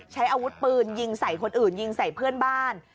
ใช้อาวุธปืนยิงใส่คนอื่นยิงใส่เพื่อนบ้าน